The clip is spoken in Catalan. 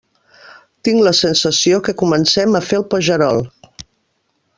Tinc la sensació que comencem a fer el pagerol.